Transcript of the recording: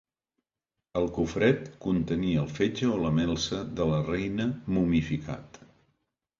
El cofret contenia el fetge o la melsa de la reina momificat.